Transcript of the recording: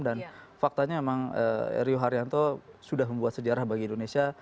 dan faktanya memang rio haryanto sudah membuat sejarah bagi indonesia